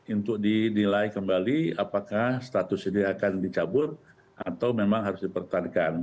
untuk dinilai kembali apakah status ini akan dicabut atau memang harus dipertahankan